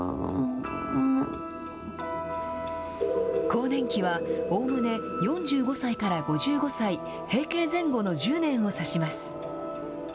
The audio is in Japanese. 更年期は、おおむね４５歳から５５歳、閉経前後の１０年を指します。